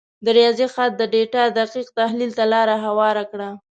د ریاضي خط د ډیټا دقیق تحلیل ته لار هواره کړه.